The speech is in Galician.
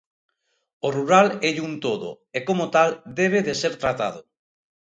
O rural élle un todo, e como tal debe de ser tratado.